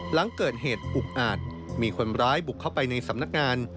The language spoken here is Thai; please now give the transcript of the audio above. หลังเกิดเหตุอุกอาจมีคนร้ายบุกเข้าไปในสำนักงาน